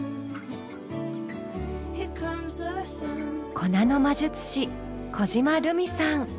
粉の魔術師小嶋ルミさん。